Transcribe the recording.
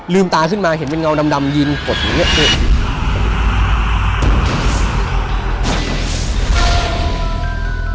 ลืมตาขึ้นมาเห็นเป็นเงาดำยินกดเหนือ